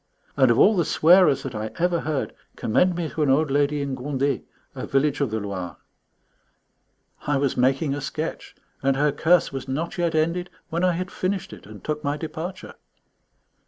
And of all the swearers that I ever heard, commend me to an old lady in Gondet, a village of the Loire. I was making a sketch, and her curse was not yet ended when I had finished it and took my departure.